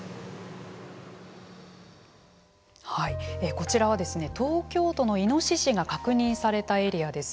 こちらは東京都のイノシシが確認されたエリアです。